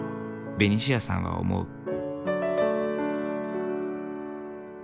ベニシアさんは思う。